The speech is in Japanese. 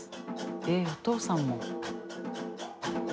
えっお父さんも？